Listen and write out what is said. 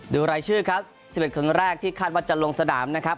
รายชื่อครับ๑๑คนแรกที่คาดว่าจะลงสนามนะครับ